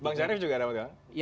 bang syarif juga dapat ya